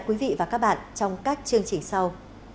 quý vị và các bạn trong các chương trình sau